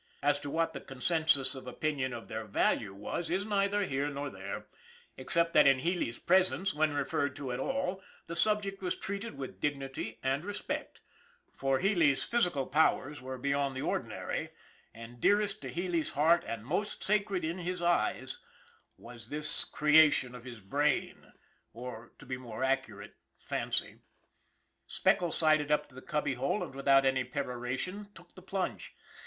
As to what the consensus of opinion of their value was is neither here nor there, except that in Healy's presence, when referred to at all, the sub ject was treated with dignity and respect, for Healy's physkal powers were beyond the ordinary, and dearest to Healy's heart and most sacred in his eyes was this 3i8 ON THE IRON AT BIG CLOUD creation of his brain, or, to be more accurate, fancy. Speckles sidled up to the cubby hole, and, without any peroration, took the plunge.